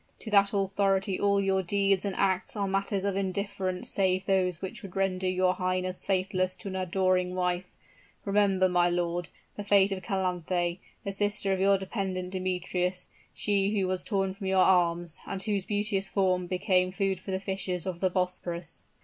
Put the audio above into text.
To that authority all your deeds and acts are matters of indifference save those which would render your highness faithless to an adoring wife. Remember, my lord, the fate of Calanthe, the sister of your dependent Demetrius, she who was torn from your arms, and whose beauteous form became food for the fishes of the Bosporus."